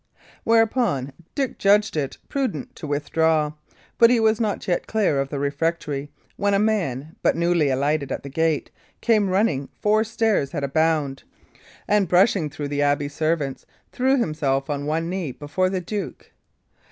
Whereupon Dick judged it prudent to withdraw; but he was not yet clear of the refectory, when a man, but newly alighted at the gate, came running four stairs at a bound, and, brushing through the abbey servants, threw himself on one knee before the duke.